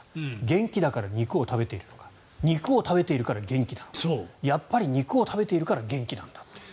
元気だから肉を食べているのか肉を食べているから元気なのかやっぱり肉を食べているから元気なんだという。